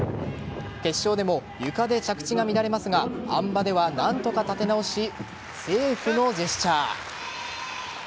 決勝でもゆかで着地が乱れますがあん馬では何とか立て直しセーフのジェスチャー。